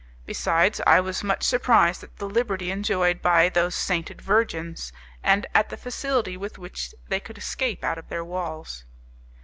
Besides, I was much surprised at the liberty enjoyed by those sainted virgins, and at the facility with which they could escape out of their walls.